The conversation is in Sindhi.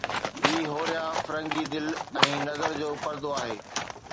هي هوريان فرنگي دل ۽ نظر جو پردو آهي